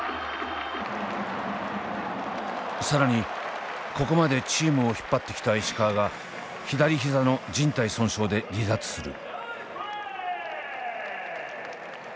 更にここまでチームを引っ張ってきた石川が左ひざのじん帯損傷で離脱する。